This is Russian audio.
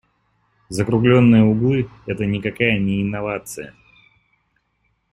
Закруглённые углы - это никакая не инновация.